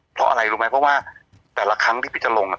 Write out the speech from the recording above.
เพราะอะไรรู้ไหมเพราะว่าแต่ละครั้งที่พี่จะลงอ่ะ